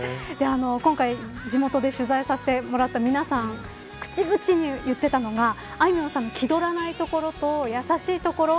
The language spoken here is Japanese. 今回、地元で取材させてもらった皆さん口々に言ってたのがあいみょんさんの気取らないところとやさしいところ